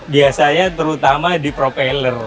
biasanya terutama di propeller